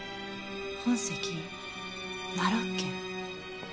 本籍奈良県。